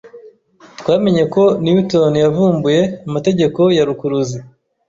Twamenye ko Newton yavumbuye amategeko ya rukuruzi.